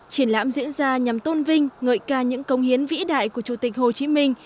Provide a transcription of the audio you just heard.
triển lãm diễn ra nhằm tôn vinh ngợi ca những công hiến vĩ đại của chủ tịch hồ chí minh